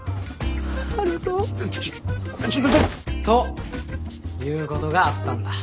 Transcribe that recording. ということがあったんだ。